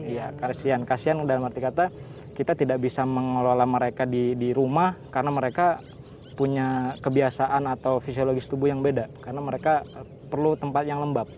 ya kasihan kasihan dalam arti kata kita tidak bisa mengelola mereka di rumah karena mereka punya kebiasaan atau fisiologis tubuh yang beda karena mereka perlu tempat yang lembab